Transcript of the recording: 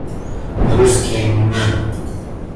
Русские имена